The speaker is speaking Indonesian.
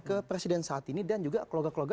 ke presiden saat ini dan juga keluarga keluarga